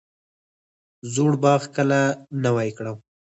زوړ باغ کله نوی کړم؟